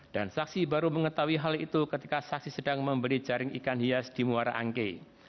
dan saksi baru mengetahui hal itu ketika saksi sedang memberi jaring ikan hias di muara angke